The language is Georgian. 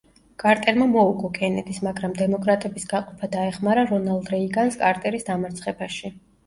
კარტერმა მოუგო კენედის, მაგრამ დემოკრატების გაყოფა დაეხმარა რონალდ რეიგანს კარტერის დამარცხებაში.